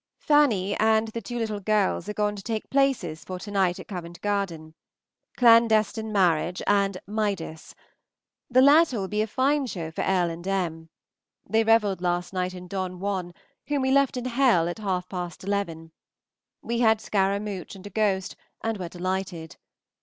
Fanny and the two little girls are gone to take places for to night at Covent Garden; "Clandestine Marriage" and "Midas." The latter will be a fine show for L. and M. They revelled last night in "Don Juan," whom we left in hell at half past eleven. We had scaramouch and a ghost, and were delighted.